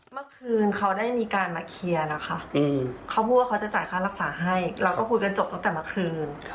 เมื่อคืนเขาได้มีการมาเคลียร์นะคะเขาพูดว่าเขาจะจ่ายค่ารักษาให้เราก็คุยกันจบตั้งแต่เมื่อคืน